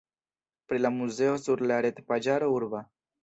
Pri la muzeo sur la retpaĝaro urba.